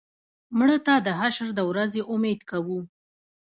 مړه ته د حشر د ورځې امید کوو